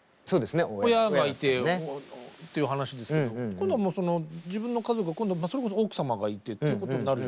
親がいてっていう話ですけど今度は自分の家族はそれこそ奥様がいてっていうことになるじゃないですか。